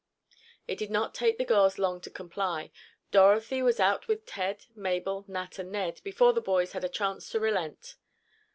It did not take the girls long to comply—Dorothy was out with Ted, Mabel, Nat and Ned before the boys had a chance to relent.